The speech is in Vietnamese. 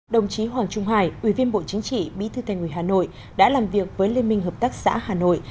đồng chí hoàng trung hải ủy viên bộ chính trị bí thư thành ủy hà nội đã làm việc với liên minh hợp tác xã hà nội